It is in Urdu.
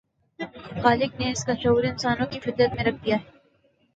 خالق نے اس کا شعور انسانوں کی فطرت میں رکھ دیا ہے۔